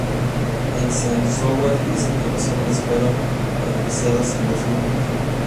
Eisenhower dice que los hombres fueron enjuiciados en dos grupos.